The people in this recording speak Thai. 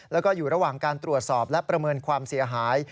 แล้วก็อยู่ระหว่างการตรวจสอบและประเมินความเสียหาย